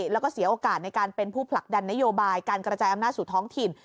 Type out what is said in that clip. แล้วก็เสียโอกาสในการเป็นผู้ผลักดันนโยบายการกระจายอำนาจสู่ท้องถิ่น